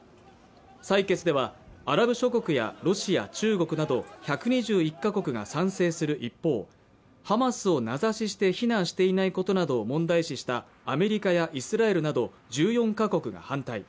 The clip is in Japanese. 採決ではアラブ諸国やロシア、中国など１２１カ国が賛成する一方ハマスを名指しして非難していないことなどを問題視したアメリカやイスラエルなど１４か国が反対